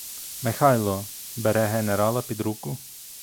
Михайло, бере генерала під руку.